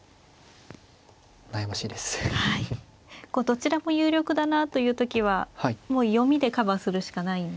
どちらも有力だなという時はもう読みでカバーするしかないんですか。